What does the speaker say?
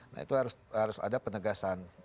nah itu harus ada penegasan